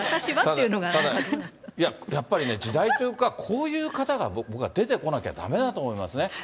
いや、やっぱりね、時代というか、こういう方が、僕は出てこなきゃだめだと思いますね。